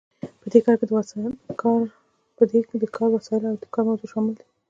په دې کې د کار وسایل او د کار موضوع شامل دي.